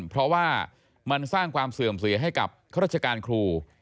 เพราะว่ามันสร้างความเสื่อมเสียให้กับข้าราชการครู